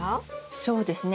そうですね